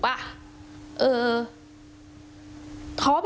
พ่อแม่เราก็ท้อด้วย